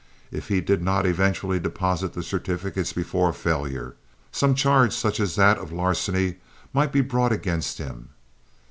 If he did not eventually deposit the certificates before failure, some charge such as that of larceny might be brought against him.